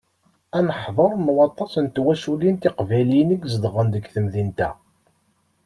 Aneḥḍur n waṭas n twaculin tiqbayliyin i izedɣen deg temdint-a.